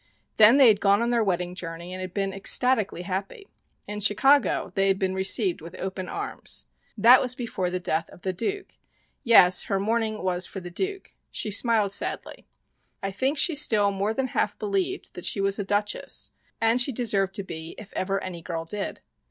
Then they had gone on their wedding journey and had been ecstatically happy. In Chicago, they had been received with open arms. That was before the death of the Duke yes, her mourning was for the Duke. She smiled sadly. I think she still more than half believed that she was a duchess and she deserved to be if ever any girl did.